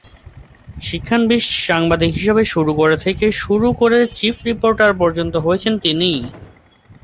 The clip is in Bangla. শিক্ষানবিশ সাংবাদিক হিসেবে শুরু করে থেকে শুরু করে চিফ রিপোর্টার পর্যন্ত হয়েছেন তিনি।